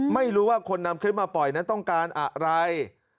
ไม่รู้ว่าคนนำคลิปมาปล่อยนั้นต้องการอะไร